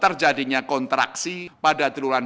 terjadinya kontraksi pada triluan tahun dua ribu dua puluh